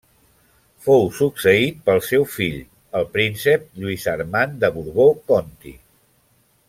Fou succeït pel seu fill, el príncep Lluís Armand de Borbó-Conti.